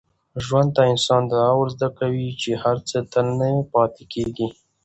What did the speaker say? ژوند انسان ته دا ور زده کوي چي هر څه تل نه پاتې کېږي.